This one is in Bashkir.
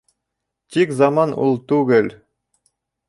Тик заман ул түгел.